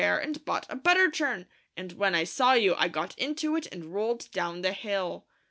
butter churn, and when I saw you I got into it and rolled down the hill."